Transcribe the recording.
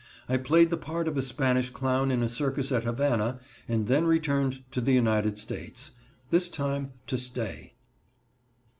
I played the part of a Spanish clown in a circus at Havana, and then returned to the United States, this time to stay.